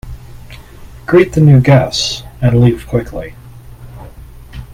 Greet the new guests and leave quickly.